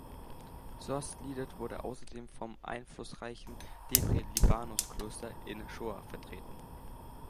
Sost-Lidet wurde außerdem vom einflussreichen Debre-Libanos-Kloster in Schoa vertreten.